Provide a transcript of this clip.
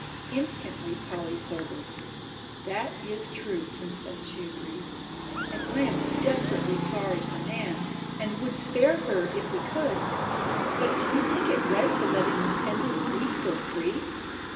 Instantly Polly sobered. "That is true, Princess," she agreed, "and I am desperately sorry for Nan and would spare her if we could, but do you think it right to let an intended thief go free?